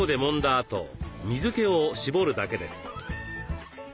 あと水けを絞るだけです。